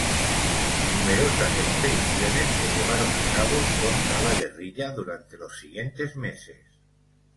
Numerosas expediciones se llevaron a cabo contra la guerrilla durante los siguientes meses.